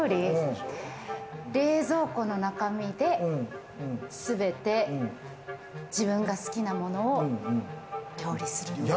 冷蔵庫の中身で全て自分が好きなものを料理する。